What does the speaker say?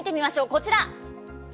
こちら。